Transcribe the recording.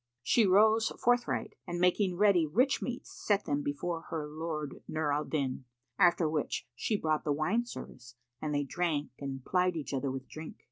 She rose forthright and making ready rich meats, set them before her lord Nur al Din; after which she brought the wine service and they drank and plied each other with drink.